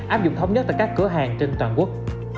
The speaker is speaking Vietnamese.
áp dụng thống nhất tại các cửa hàng trên toàn quốc